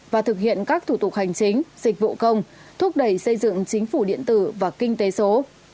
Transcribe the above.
và thực hiện các thủ tục hành chính dịch vụ công thúc đẩy xây dựng chính phủ điện tử và kinh tế số